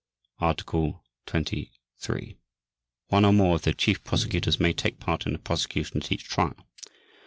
Article 23. One or more of the Chief Prosecutors may take part in the prosecution at each trial.